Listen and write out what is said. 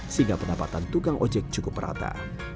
sehingga pendapatan tukang ojek cukup rata